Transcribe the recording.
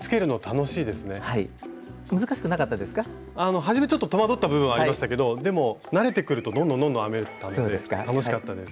はじめちょっと戸惑った部分はありましたけどでも慣れてくるとどんどんどんどん編めたので楽しかったです。